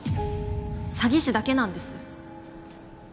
詐欺師だけなんです